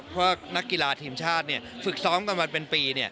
เพราะนักกีฬาทีมชาติฝึกซ้อมกันมาเป็นปี